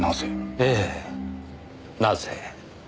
ええなぜ。